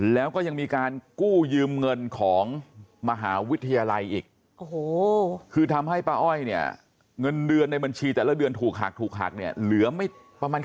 แล้วก็ยังมีการกู้ยืมเงินของมหาวิทยาลัยอีก